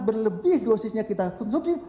berlebih dosisnya kita konsumsi